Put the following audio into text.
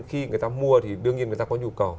khi người ta mua thì đương nhiên người ta có nhu cầu